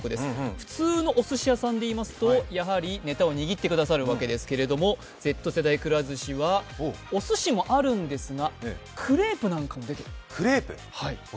普通のおすし屋さんでいいますとネタは握ってくださるわけですがＺ世代くら寿司はおすしもあるんですが、クレープなんかも出てくる。